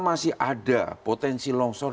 masih ada potensi longsor